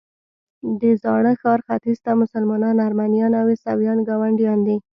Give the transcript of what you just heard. د زاړه ښار ختیځ ته مسلمانان، ارمنیان او عیسویان ګاونډیان دي.